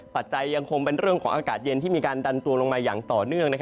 ปัจจัยยังคงเป็นเรื่องของอากาศเย็นที่มีการดันตัวลงมาอย่างต่อเนื่อง